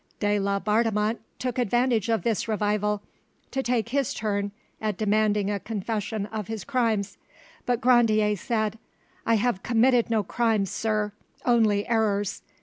De Laubardemont took advantage of this revival to take his turn at demanding a confession of his crimes; but Grandier said— "I have committed no crimes, sir, only errors.